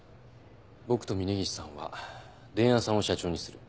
僕と峰岸さんは伝弥さんを社長にする。